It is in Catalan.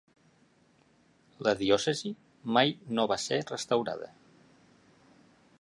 La diòcesi mai no va ser restaurada.